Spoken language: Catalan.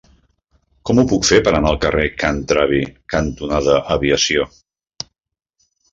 Com ho puc fer per anar al carrer Can Travi cantonada Aviació?